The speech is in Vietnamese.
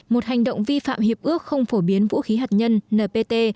một hành động vi phạm hiệp ước không phổ biến vũ khí hạt nhân npt